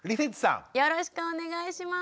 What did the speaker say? よろしくお願いします。